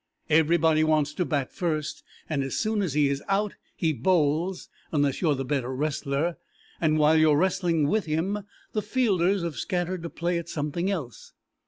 Everybody wants to bat first, and as soon as he is out he bowls unless you are the better wrestler, and while you are wrestling with him the fielders have scattered to play at something else.